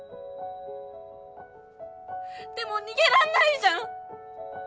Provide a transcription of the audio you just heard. でも逃げらんないじゃん！